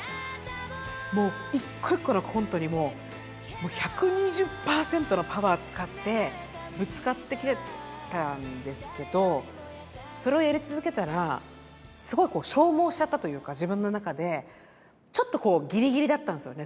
もう一個一個のコントにもう１２０％のパワー使ってぶつかってきてたんですけどそれをやり続けたらすごい消耗しちゃったというか自分の中でちょっとギリギリだったんですよね。